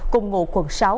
cùng ngụ quần sáu